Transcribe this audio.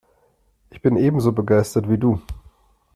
Ich bin ebenso begeistert wie du.